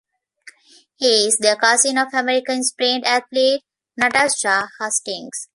He is the cousin of American sprint athlete Natasha Hastings.